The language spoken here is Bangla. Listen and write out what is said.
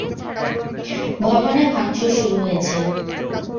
ভবনে ভাঙচুর শুরু হয়েছে।